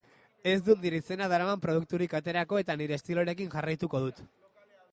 Ez dut nire izena daraman produkturik aterako eta nire estiloarekin jarraituko dut.